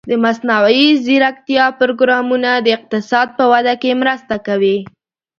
د مصنوعي ځیرکتیا پروګرامونه د اقتصاد په وده کې مرسته کوي.